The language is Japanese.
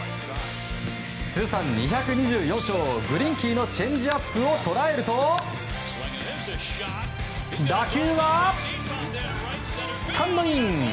通算２２４勝、グリンキーのチェンジアップを捉えると打球はスタンドイン！